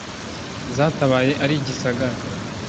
Zatabaye ari igisagara.